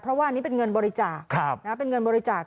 เพราะว่านี่เป็นเงินบริจาค